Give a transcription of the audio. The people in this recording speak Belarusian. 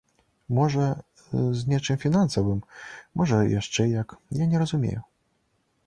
Можа, з нечым фінансавым, можа, яшчэ як, я не разумею.